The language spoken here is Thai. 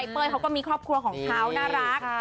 เป้ยเขาก็มีครอบครัวของเขาน่ารัก